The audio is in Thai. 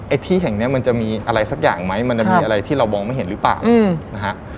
ที่แห่งนี้มันจะมีอะไรสักอย่างไหมมันจะมีอะไรที่เรามองไม่เห็นหรือเปล่านะฮะ